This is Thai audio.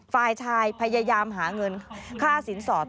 ฝ่ายชายพยายามหาเงินค่าสินสอด